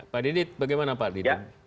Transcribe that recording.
pak didit bagaimana pak didit